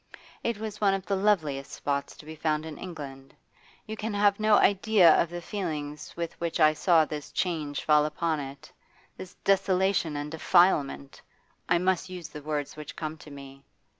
It was one of the loveliest spots to be found in England. You can have no idea of the feelings with which I saw this change fall upon it, this desolation and defilement I must use the words which come to me.